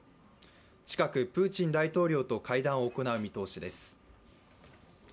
近くプーチン大統領と会談を行う見通しです。